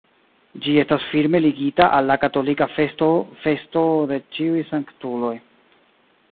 Ĝi estas firme ligita al la katolika festo festo de ĉiuj sanktuloj.